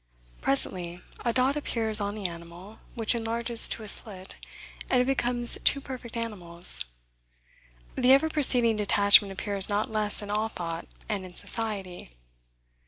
Presently, a dot appears on the animal, which enlarges to a slit, and it becomes two perfect animals. The ever proceeding detachment appears not less in all thought, and in society.